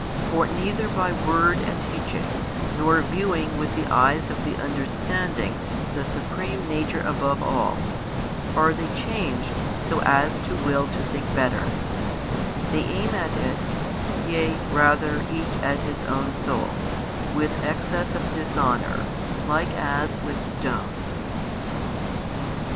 For neither by word and teaching, nor viewing with the eyes of the understanding the Nature Supreme above all, are they changed so as to will to think better; they aim at It, yea rather each at his own soul, with excess of dishonour, like as with stones.